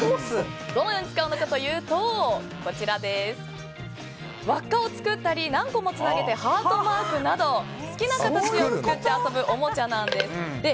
どのように使うのかというと輪っかを作ったり何個もつなげてハートマークなど好きな形を作って遊ぶ、おもちゃなんです。